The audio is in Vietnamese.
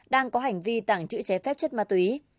đang có hành vi tặng chữ chế phép chất ma túy